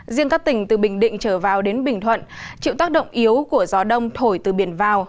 riêng các tỉnh từ bình định trở vào đến bình thuận chịu tác động yếu của gió đông thổi từ biển vào